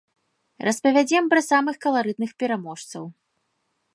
Распавядзем пра самых каларытных пераможцаў.